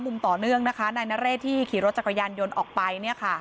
มุมต่อเนื่องนะคะนายนเรศที่ขี่รถจักรยานยนต์ออกไป